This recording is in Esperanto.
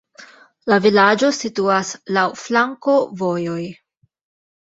La vilaĝo situas laŭ flankovojoj.